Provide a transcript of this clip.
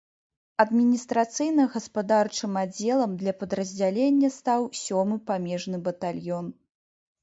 Адміністрацыйна-гаспадарчым аддзелам для падраздзялення стаў сёмы памежны батальён.